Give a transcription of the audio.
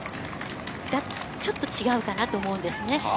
ちょっと違うかなと思うんですね。